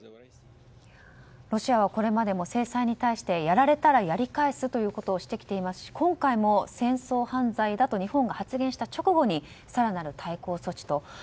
ロシアはこれまでも制裁に対してやられたらやり返すということを繰り返していますし今回も戦争犯罪だと日本が発言した直後に更なる対抗措置と。